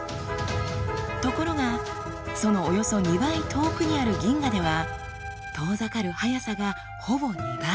ところがそのおよそ２倍遠くにある銀河では遠ざかる速さがほぼ２倍。